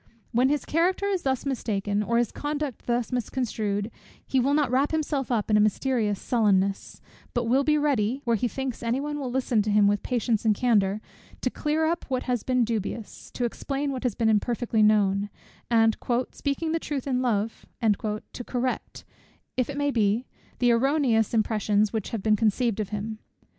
When his character is thus mistaken, or his conduct thus misconstrued, he will not wrap himself up in a mysterious sullenness; but will be ready, where he thinks any one will listen to him with patience and candour, to clear up what has been dubious, to explain what has been imperfectly known, and "speaking the truth in love" to correct, if it may be, the erroneous impressions which have been conceived of him.